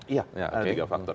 iya ada tiga faktor